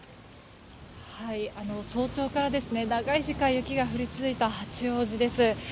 早朝から長い時間雪が降り続いた八王子です。